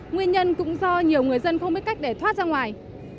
nguyên nhân cũng do nhiều người dân không biết cách để thoát ra ngoài